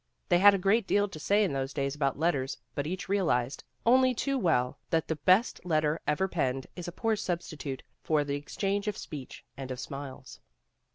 They had a great deal to say in those days about letters but each realized, only two well, that the best letter ever penned is a poor substitute for the exchange of speech and of smiles.